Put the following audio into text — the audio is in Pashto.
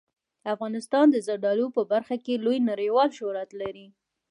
افغانستان د زردالو په برخه کې لوی نړیوال شهرت لري.